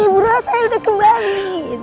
berhasil udah kembali